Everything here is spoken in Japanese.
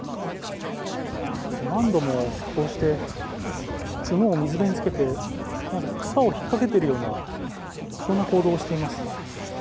何度も、こうして角を水辺につけて草を引っかけているような、そんな行動をしています。